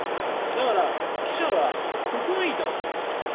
だから、記者はここが言いたかった。